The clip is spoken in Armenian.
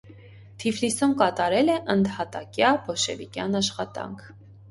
Թիֆլիսում կատարել է ընդհատակյա բոլշևիկյան աշխատանք։